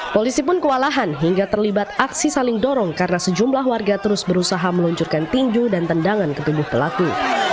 polisi pun kewalahan hingga terlibat aksi saling dorong karena sejumlah warga terus berusaha meluncurkan tinju dan tendangan ke tubuh pelaku